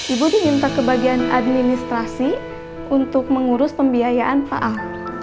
ibu diminta ke bagian administrasi untuk mengurus pembiayaan faa